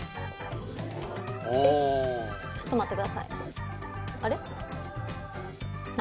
ちょっと待ってくださいねあれ？